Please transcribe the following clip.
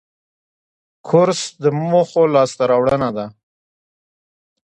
کورس د موخو لاسته راوړنه ده.